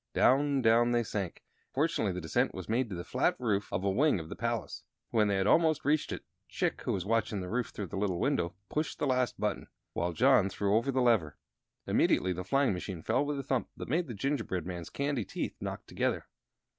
Down, down they sank, and fortunately the descent was made to the flat roof of a wing of the palace. When they had almost reached it, Chick, who was watching the roof through the little window, pushed the last button, while John threw over the lever. Immediately the flying machine fell with a thump that made the gingerbread man's candy teeth knock together.